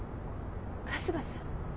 春日さん。